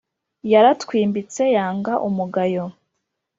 yaratwimbitse yanga umugayo.